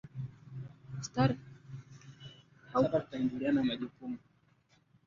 Dalili za ugonjwa wa ndigana baridi ni mnyama kuwa na utando wenye uteute